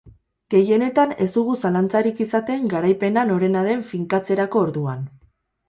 Gehienetan ez dugu zalantzarik izaten garaipena norena den finkatzerako orduan.